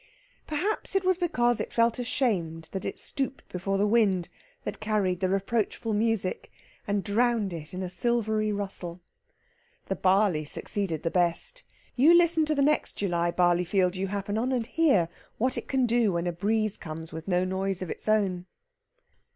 Perhaps it was because it felt ashamed that it stooped before the wind that carried the reproachful music, and drowned it in a silvery rustle. The barley succeeded the best. You listen to the next July barley field you happen on, and hear what it can do when a breeze comes with no noise of its own.